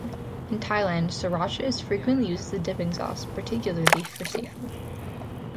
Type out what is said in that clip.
In Thailand, sriracha is frequently used as a dipping sauce, particularly for seafood.